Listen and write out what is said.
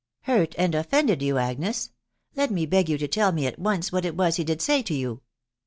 " Hurt and offended you, Agnes? .... Let ate beg you* tell me at once what it was he did say to you."